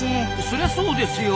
そりゃそうですよ！